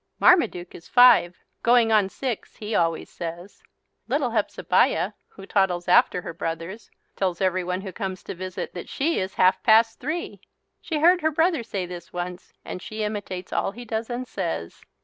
Marmaduke is five, "going on six," he always says. Little Hepzebiah, who toddles after her brothers, tells everyone who comes to visit that she is "half past three." She heard her brother say this once and she imitates all he does and says.